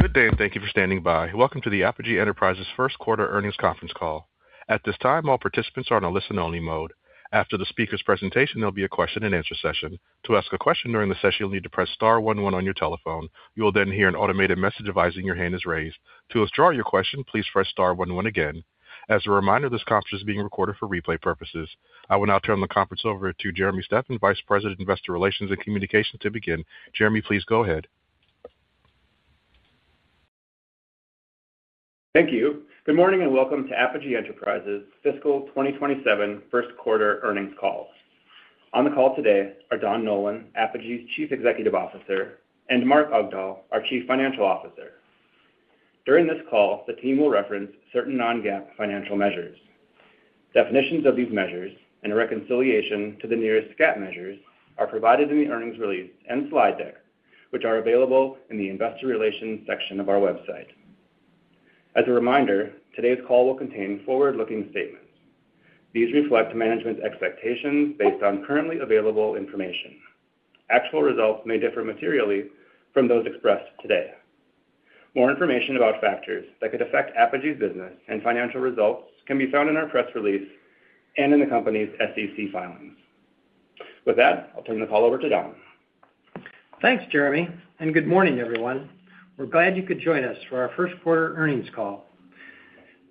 Good day, and thank you for standing by. Welcome to the Apogee Enterprises first quarter earnings conference call. At this time, all participants are on a listen-only mode. After the speaker's presentation, there'll be a question-and-answer session. To ask a question during the session, you'll need to press star one one on your telephone. You will hear an automated message advising your hand is raised. To withdraw your question, please press star one one again. As a reminder, this conference is being recorded for replay purposes. I will now turn the conference over to Jeremy Steffan, Vice President, Investor Relations and Communications, to begin. Jeremy, please go ahead. Thank you. Good morning, and welcome to Apogee Enterprises fiscal 2027 first quarter earnings call. On the call today are Don Nolan, Apogee's Chief Executive Officer, and Mark Augdahl, our Chief Financial Officer. During this call, the team will reference certain non-GAAP financial measures. Definitions of these measures and a reconciliation to the nearest GAAP measures are provided in the earnings release and slide deck, which are available in the Investor Relations section of our website. As a reminder, today's call will contain forward-looking statements. These reflect management's expectations based on currently available information. Actual results may differ materially from those expressed today. More information about factors that could affect Apogee's business and financial results can be found in our press release and in the company's SEC filings. With that, I'll turn the call over to Don. Thanks, Jeremy, and good morning, everyone. We're glad you could join us for our first quarter earnings call.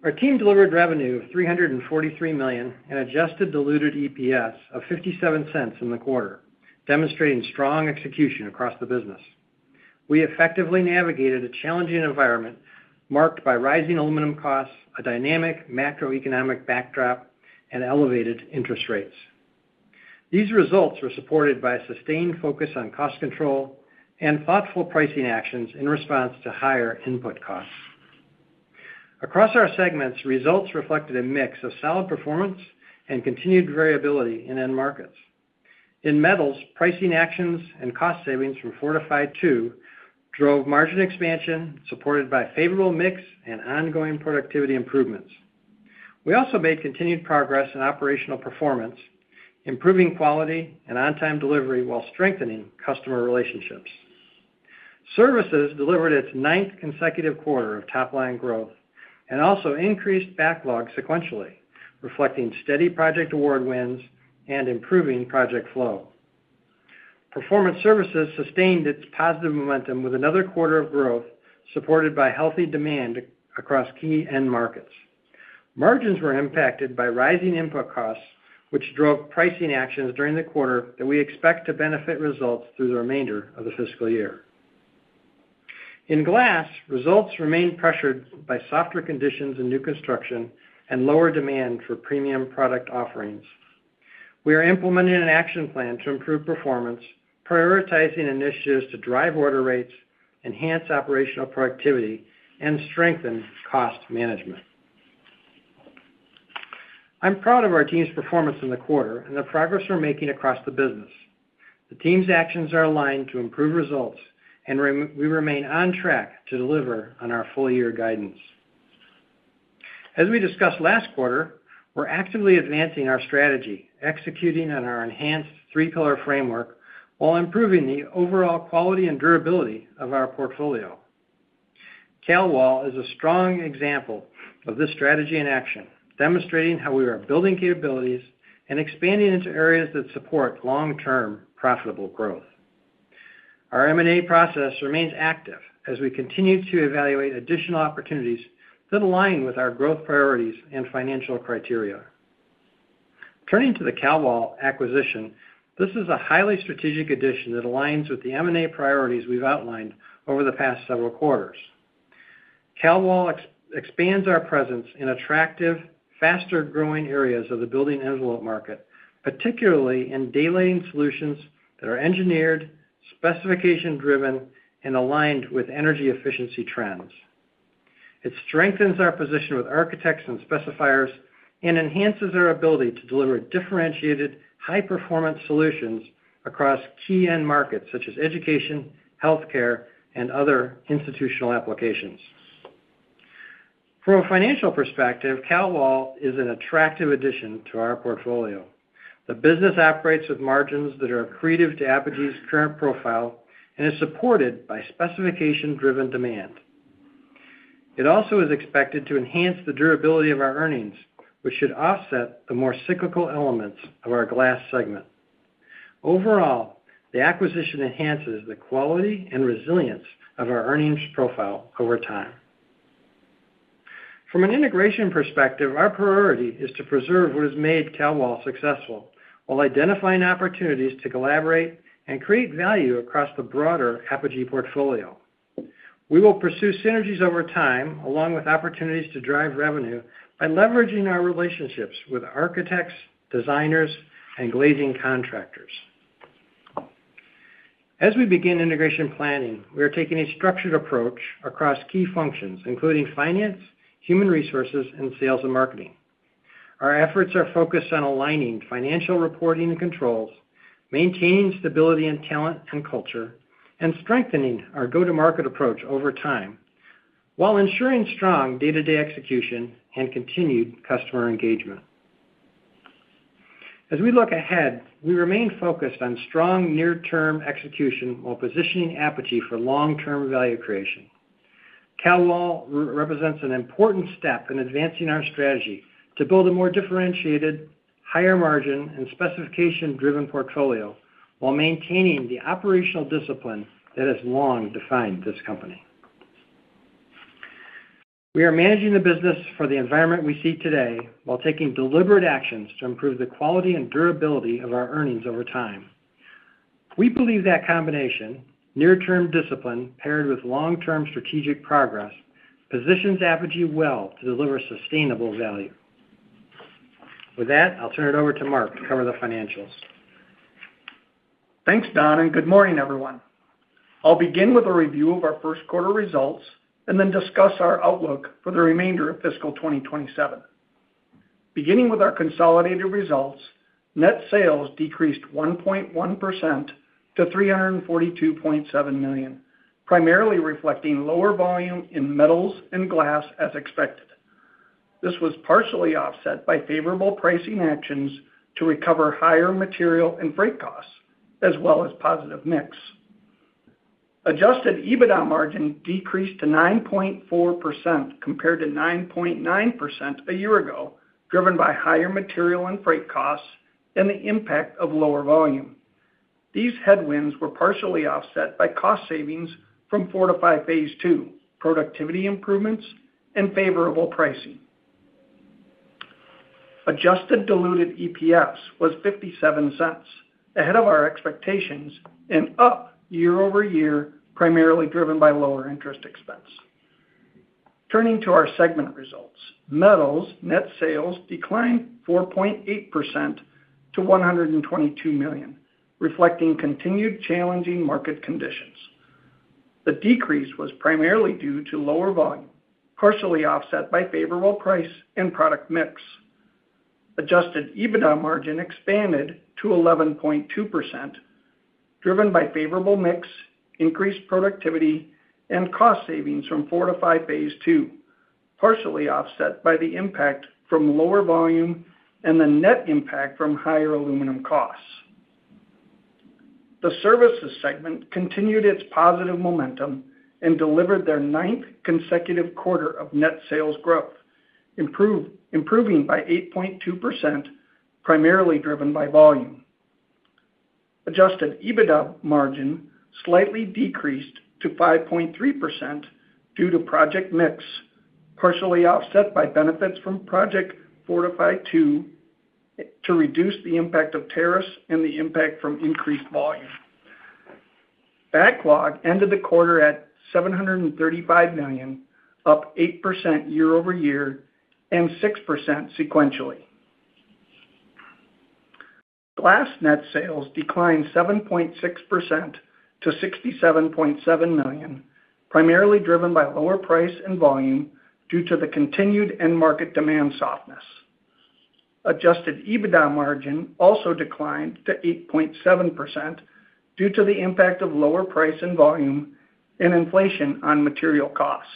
Our team delivered revenue of $343 million and adjusted diluted EPS of $0.57 in the quarter, demonstrating strong execution across the business. We effectively navigated a challenging environment marked by rising aluminum costs, a dynamic macroeconomic backdrop, and elevated interest rates. These results were supported by a sustained focus on cost control and thoughtful pricing actions in response to higher input costs. Across our segments, results reflected a mix of solid performance and continued variability in end markets. In Metals, pricing actions and cost savings from Fortify 2 drove margin expansion, supported by favorable mix and ongoing productivity improvements. We also made continued progress in operational performance, improving quality and on-time delivery while strengthening customer relationships. Services delivered its ninth consecutive quarter of top-line growth and also increased backlog sequentially, reflecting steady project award wins and improving project flow. Performance Surfaces sustained its positive momentum with another quarter of growth, supported by healthy demand across key end markets. Margins were impacted by rising input costs, which drove pricing actions during the quarter that we expect to benefit results through the remainder of the fiscal year. In Glass, results remained pressured by softer conditions in new construction and lower demand for premium product offerings. We are implementing an action plan to improve performance, prioritizing initiatives to drive order rates, enhance operational productivity, and strengthen cost management. I'm proud of our team's performance in the quarter and the progress we're making across the business. The team's actions are aligned to improve results, we remain on track to deliver on our full-year guidance. As we discussed last quarter, we're actively advancing our strategy, executing on our enhanced three-pillar framework while improving the overall quality and durability of our portfolio. Kalwall is a strong example of this strategy in action, demonstrating how we are building capabilities and expanding into areas that support long-term profitable growth. Our M&A process remains active as we continue to evaluate additional opportunities that align with our growth priorities and financial criteria. Turning to the Kalwall acquisition, this is a highly strategic addition that aligns with the M&A priorities we've outlined over the past several quarters. Kalwall expands our presence in attractive, faster-growing areas of the building envelope market, particularly in daylighting solutions that are engineered, specification-driven, and aligned with energy efficiency trends. It strengthens our position with architects and specifiers and enhances our ability to deliver differentiated high-performance solutions across key end markets such as education, healthcare, and other institutional applications. From a financial perspective, Kalwall is an attractive addition to our portfolio. The business operates with margins that are accretive to Apogee's current profile and is supported by specification-driven demand. It also is expected to enhance the durability of our earnings, which should offset the more cyclical elements of our Glass segment. Overall, the acquisition enhances the quality and resilience of our earnings profile over time. From an integration perspective, our priority is to preserve what has made Kalwall successful while identifying opportunities to collaborate and create value across the broader Apogee portfolio. We will pursue synergies over time, along with opportunities to drive revenue by leveraging our relationships with architects, designers, and glazing contractors. As we begin integration planning, we are taking a structured approach across key functions including finance, human resources, and sales and marketing. Our efforts are focused on aligning financial reporting and controls, maintaining stability in talent and culture, and strengthening our go-to-market approach over time while ensuring strong day-to-day execution and continued customer engagement. As we look ahead, we remain focused on strong near-term execution while positioning Apogee for long-term value creation. Kalwall represents an important step in advancing our strategy to build a more differentiated, higher margin, and specification-driven portfolio while maintaining the operational discipline that has long defined this company. We are managing the business for the environment we see today while taking deliberate actions to improve the quality and durability of our earnings over time. We believe that combination, near-term discipline paired with long-term strategic progress, positions Apogee well to deliver sustainable value. With that, I'll turn it over to Mark to cover the financials. Thanks, Don, good morning, everyone. I'll begin with a review of our first quarter results then discuss our outlook for the remainder of fiscal 2027. Beginning with our consolidated results, net sales decreased 1.1% to $342.7 million, primarily reflecting lower volume in Metals and Glass as expected. This was partially offset by favorable pricing actions to recover higher material and freight costs, as well as positive mix. Adjusted EBITDA margin decreased to 9.4% compared to 9.9% a year ago, driven by higher material and freight costs and the impact of lower volume. These headwinds were partially offset by cost savings from Fortify Phase 2, productivity improvements, and favorable pricing. Adjusted diluted EPS was $0.57, ahead of our expectations and up year-over-year, primarily driven by lower interest expense. Turning to our segment results. Metals net sales declined 4.8% to $122 million, reflecting continued challenging market conditions. The decrease was primarily due to lower volume, partially offset by favorable price and product mix. Adjusted EBITDA margin expanded to 11.2%, driven by favorable mix, increased productivity, and cost savings from Fortify Phase 2, partially offset by the impact from lower volume and the net impact from higher aluminum costs. The Services segment continued its positive momentum and delivered their ninth consecutive quarter of net sales growth, improving by 8.2%, primarily driven by volume. Adjusted EBITDA margin slightly decreased to 5.3% due to project mix, partially offset by benefits from Project Fortify Phase 2 to reduce the impact of tariffs and the impact from increased volume. Backlog ended the quarter at $735 million, up 8% year-over-year and 6% sequentially. Glass net sales declined 7.6% to $67.7 million, primarily driven by lower price and volume due to the continued end market demand softness. Adjusted EBITDA margin also declined to 8.7% due to the impact of lower price and volume and inflation on material costs.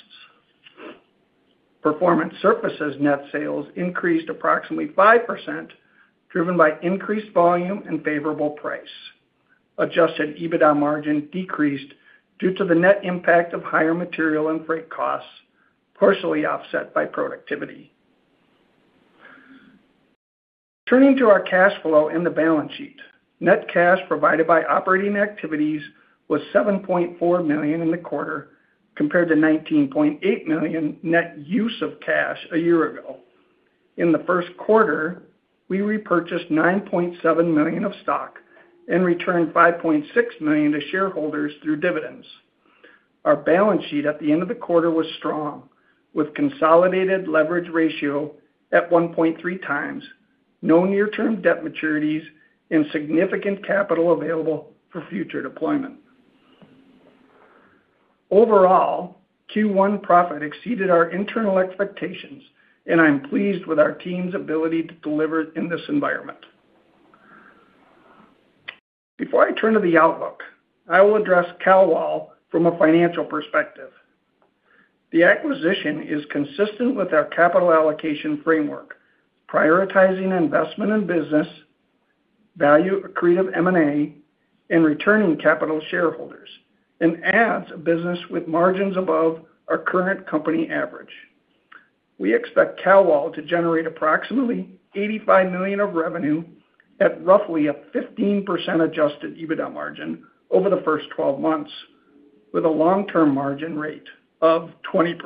Performance Surfaces net sales increased approximately 5%, driven by increased volume and favorable price. Adjusted EBITDA margin decreased due to the net impact of higher material and freight costs, partially offset by productivity. Turning to our cash flow and the balance sheet. Net cash provided by operating activities was $7.4 million in the quarter compared to $19.8 million net use of cash a year ago. In the first quarter, we repurchased $9.7 million of stock and returned $5.6 million to shareholders through dividends. Our balance sheet at the end of the quarter was strong, with consolidated leverage ratio at 1.3x, no near-term debt maturities, and significant capital available for future deployment. Overall, Q1 profit exceeded our internal expectations. I'm pleased with our team's ability to deliver in this environment. Before I turn to the outlook, I will address Kalwall from a financial perspective. The acquisition is consistent with our capital allocation framework, prioritizing investment in business, value accretive M&A, and returning capital to shareholders, and adds a business with margins above our current company average. We expect Kalwall to generate approximately $85 million of revenue at roughly a 15% adjusted EBITDA margin over the first 12 months, with a long-term margin rate of 20%.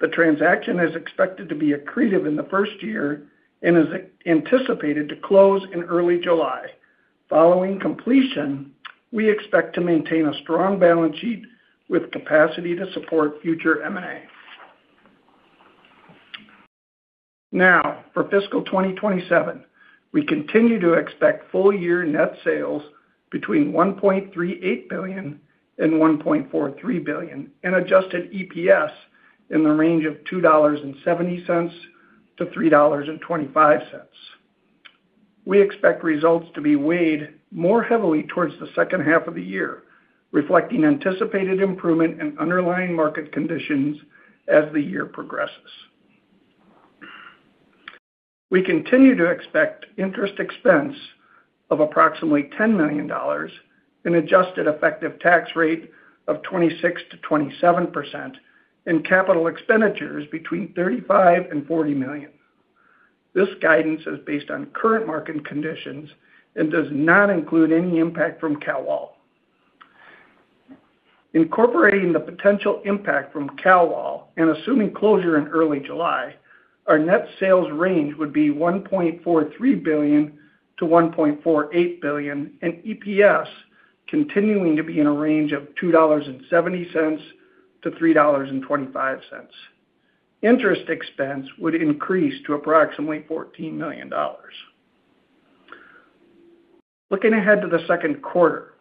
The transaction is expected to be accretive in the first year is anticipated to close in early July. Following completion, we expect to maintain a strong balance sheet with capacity to support future M&A. For fiscal 2027, we continue to expect full-year net sales between $1.38 billion and $1.43 billion and adjusted EPS in the range of $2.70 to $3.25. We expect results to be weighed more heavily towards the second half of the year, reflecting anticipated improvement in underlying market conditions as the year progresses. We continue to expect interest expense of approximately $10 million, an adjusted effective tax rate of 26%-27%, and capital expenditures between $35 million and $40 million. This guidance is based on current market conditions and does not include any impact from Kalwall. Incorporating the potential impact from Kalwall and assuming closure in early July, our net sales range would be $1.43 billion to $1.48 billion, and EPS continuing to be in a range of $2.70 to $3.25. Interest expense would increase to approximately $14 million. Looking ahead to the second quarter,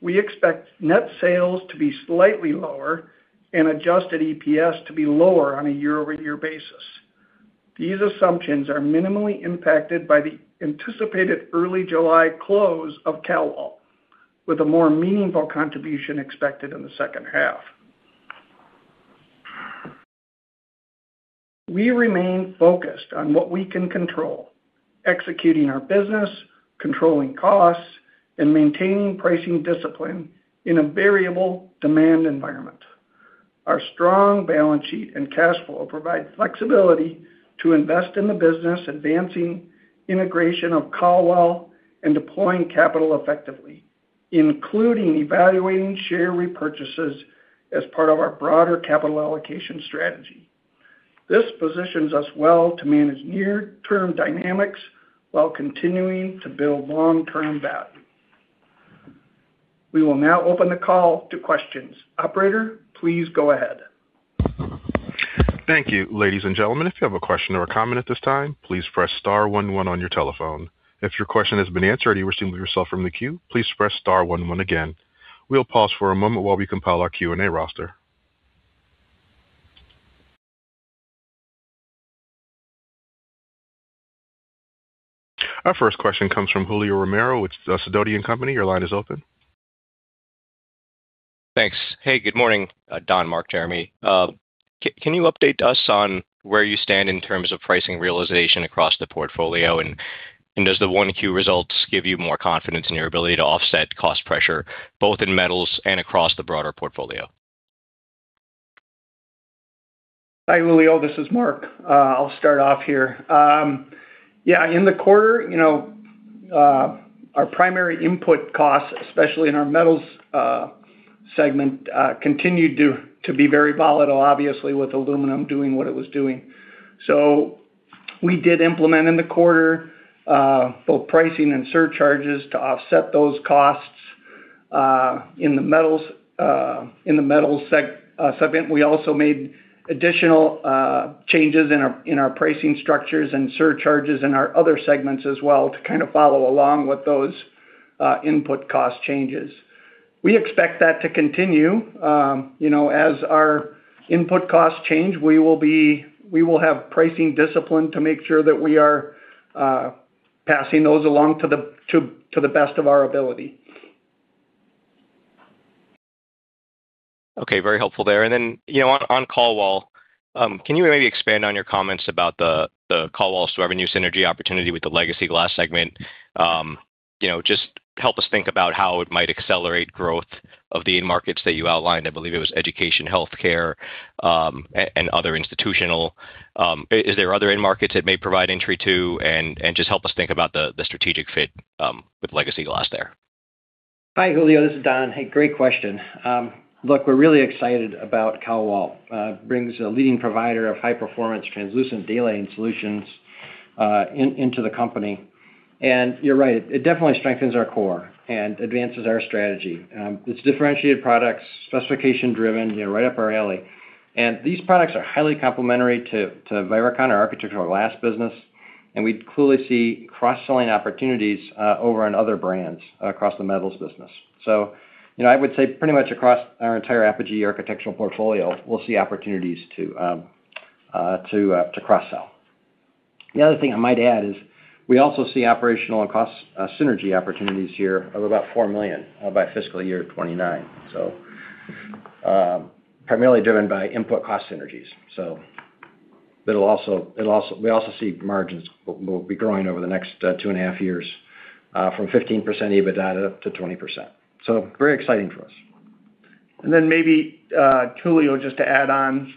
we expect net sales to be slightly lower and adjusted EPS to be lower on a year-over-year basis. These assumptions are minimally impacted by the anticipated early July close of Kalwall, with a more meaningful contribution expected in the second half. We remain focused on what we can control, executing our business, controlling costs, and maintaining pricing discipline in a variable demand environment. Our strong balance sheet and cash flow provide flexibility to invest in the business, advancing integration of Kalwall and deploying capital effectively, including evaluating share repurchases as part of our broader capital allocation strategy. This positions us well to manage near-term dynamics while continuing to build long-term value. We will now open the call to questions. Operator, please go ahead. Thank you. Ladies and gentlemen, if you have a question or a comment at this time, please press star one one on your telephone. If your question has been answered or you wish to remove yourself from the queue, please press star one one again. We'll pause for a moment while we compile our Q&A roster. Our first question comes from Julio Romero with Sidoti & Co.. Your line is open. Thanks. Hey, good morning, Don, Mark, Jeremy. Can you update as on where you stand in terms of pricing realization across the portfolio? Does the 1Q results give you more confidence in your ability to offset cost pressure, both in metals and across the broader portfolio? Hi, Julio. This is Mark. I'll start off here. Yeah, in the quarter, our primary input costs, especially in our metals segment, continued to be very volatile, obviously with aluminum doing what it was doing. We did implement in the quarter both pricing and surcharges to offset those costs in the Metals segment. We also made additional changes in our pricing structures and surcharges in our other segments as well to kind of follow along with those input cost changes. We expect that to continue. As our input costs change, we will have pricing discipline to make sure that we are passing those along to the best of our ability. Okay. Very helpful there. On Kalwall, can you maybe expand on your comments about the Kalwall's revenue synergy opportunity with the Legacy Glass segment? Just help us think about how it might accelerate growth of the end markets that you outlined. I believe it was education, healthcare, and other institutional. Is there other end markets it may provide entry to? Just help us think about the strategic fit with Legacy Glass there. Hi, Julio. This is Don. Hey, great question. Look, we're really excited about Kalwall. Brings a leading provider of high-performance translucent daylighting solutions into the company. You're right, it definitely strengthens our core and advances our strategy. It's differentiated products, specification driven, right up our alley. These products are highly complementary to Viracon, our Architectural Glass business, and we clearly see cross-selling opportunities over in other brands across the metals business. I would say pretty much across our entire Apogee Architectural portfolio, we'll see opportunities to cross-sell. The other thing I might add is we also see operational and cost synergy opportunities here of about $4 million by fiscal year 2029. Primarily driven by input cost synergies. We also see margins will be growing over the next two and a half years from 15% EBITDA to 20%. Very exciting for us. Maybe, Julio, just to add on.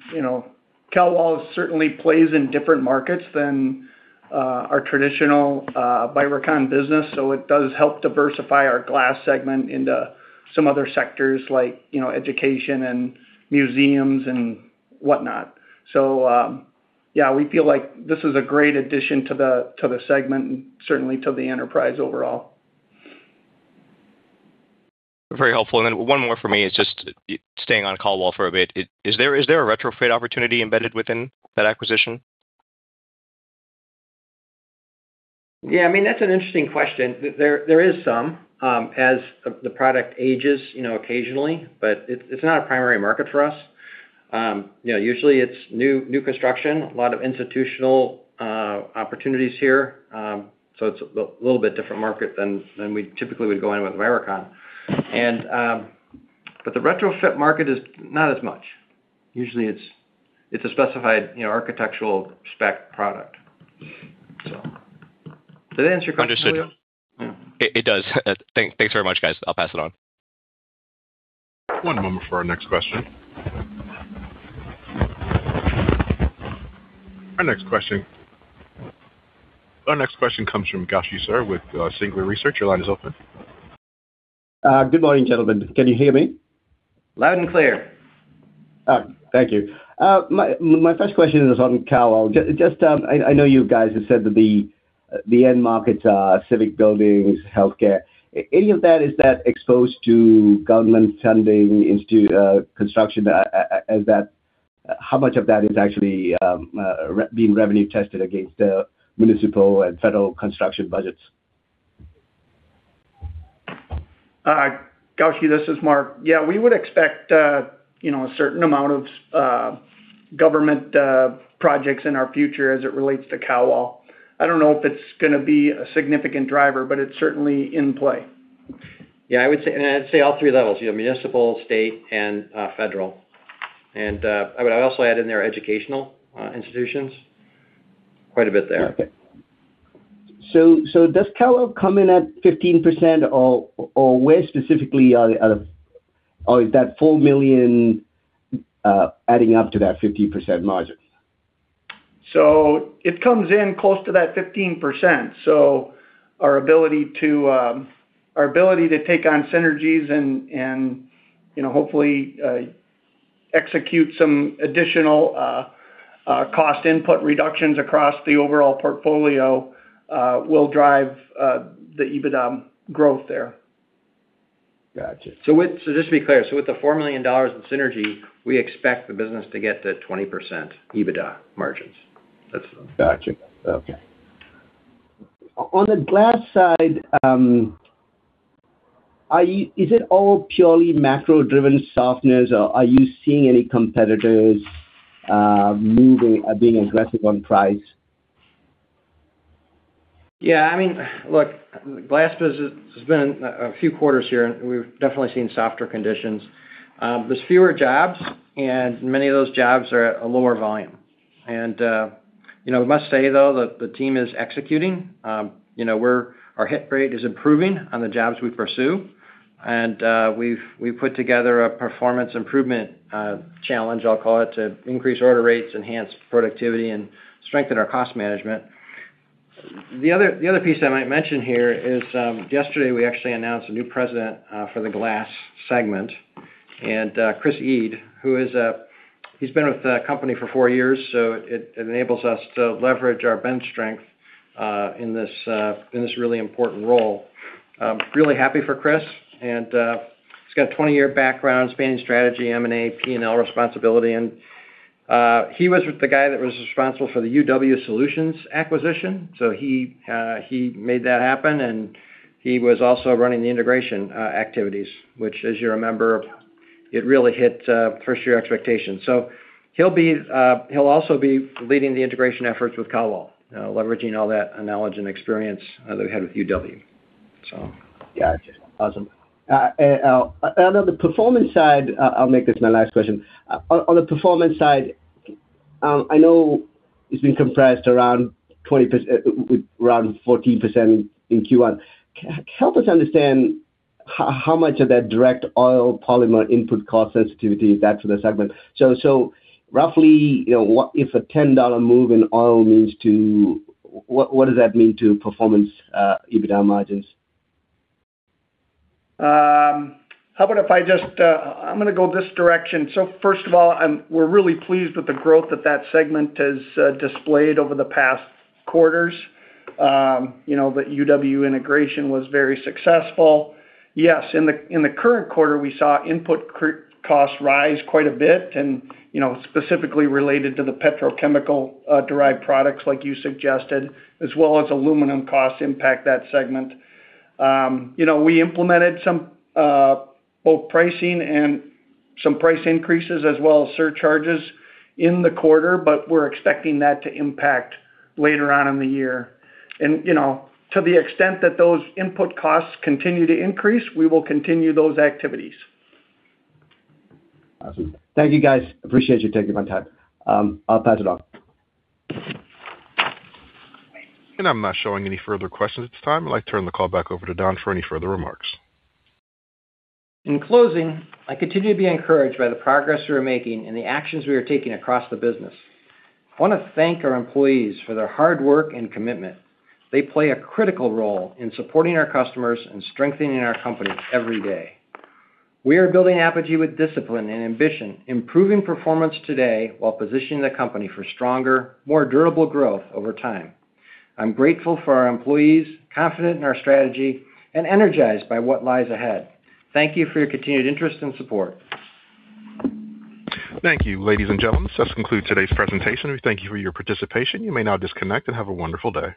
Kalwall certainly plays in different markets than our traditional Viracon business, so it does help diversify our Glass segment into some other sectors like education and museums and whatnot. Yeah, we feel like this is a great addition to the segment and certainly to the enterprise overall. Very helpful. Then one more for me is just staying on Kalwall for a bit. Is there a retrofit opportunity embedded within that acquisition? Yeah. That's an interesting question. There is some. As the product ages occasionally, but it's not a primary market for us. Usually it's new construction, a lot of institutional opportunities here. It's a little bit different market than we typically would go in with Viracon. The retrofit market is not as much. Usually it's a specified architectural spec product. Did that answer your question, Julio? Understood. It does. Thanks very much, guys. I'll pass it on. One moment for our next question. Our next question comes from Gowshi Sriharan with Singular Research. Your line is open. Good morning, gentlemen. Can you hear me? Loud and clear. Thank you. My first question is on Kalwall. I know you guys have said that the end markets are civic buildings, healthcare. Any of that, is that exposed to government funding, construction? How much of that is actually being revenue tested against municipal and federal construction budgets? Gowshi, this is Mark. Yeah, we would expect a certain amount of government projects in our future as it relates to Kalwall. I don't know if it's going to be a significant driver, but it's certainly in play. Yeah, I would say all three levels, municipal, state, and federal. I would also add in there educational institutions, quite a bit there. Okay. Does Kalwall come in at 15%, or where specifically are that full million adding up to that 15% margin? It comes in close to that 15%. Our ability to take on synergies and hopefully execute some additional cost input reductions across the overall portfolio will drive the EBITDA growth there. Got you. Just to be clear, with the $4 million in synergy, we expect the business to get to 20% EBITDA margins. Got you. Okay. On the Glass side, is it all purely macro-driven softness, or are you seeing any competitors being aggressive on price? The Glass business has been a few quarters here, and we've definitely seen softer conditions. There's fewer jobs, and many of those jobs are at a lower volume. We must say, though, that the team is executing. Our hit rate is improving on the jobs we pursue. We've put together a performance improvement challenge, I'll call it, to increase order rates, enhance productivity, and strengthen our cost management. The other piece I might mention here is, yesterday we actually announced a new President for the Glass segment, Chris Eade, who has been with the company for four years, so it enables us to leverage our bench strength in this really important role. Really happy for Chris, and he's got a 20-year background spanning strategy, M&A, P&L responsibility, and he was the guy that was responsible for the UW Solutions acquisition. He made that happen, and he was also running the integration activities, which, as you remember, it really hit first-year expectations. He'll also be leading the integration efforts with Kalwall, leveraging all that knowledge and experience that we had with UW. Got you. Awesome. I'll make this my last question. On the Performance side, I know it's been compressed around 14% in Q1. Help us understand how much of that direct oil polymer input cost sensitivity is that to the segment. Roughly, if a $10 move in oil, what does that mean to Performance EBITDA margins? I'm going to go this direction. First of all, we're really pleased with the growth that that segment has displayed over the past quarters. The UW integration was very successful. Yes, in the current quarter, we saw input costs rise quite a bit and specifically related to the petrochemical derived products, like you suggested, as well as aluminum costs impact that segment. We implemented some both pricing and some price increases as well as surcharges in the quarter, but we're expecting that to impact later on in the year. To the extent that those input costs continue to increase, we will continue those activities. Awesome. Thank you, guys. Appreciate you taking my time. I'll pass it on. I'm not showing any further questions at this time. I'd like to turn the call back over to Don for any further remarks. In closing, I continue to be encouraged by the progress we are making and the actions we are taking across the business. I want to thank our employees for their hard work and commitment. They play a critical role in supporting our customers and strengthening our company every day. We are building Apogee with discipline and ambition, improving performance today while positioning the company for stronger, more durable growth over time. I'm grateful for our employees, confident in our strategy, and energized by what lies ahead. Thank you for your continued interest and support. Thank you, ladies and gentlemen. This concludes today's presentation. We thank you for your participation. You may now disconnect, and have a wonderful day.